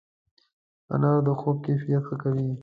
انار د خوب کیفیت ښه کوي.